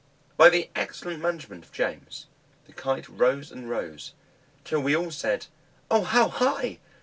By the excellent management of James, the Kite rose and rose, till we all said, "O, how high!